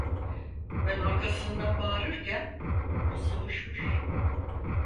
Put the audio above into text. Ben arkasından bağırırken o sıvışmış.